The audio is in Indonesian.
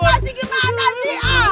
masih kita atasi